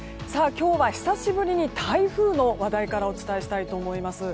今日は久しぶりに台風の話題からお伝えしたいと思います。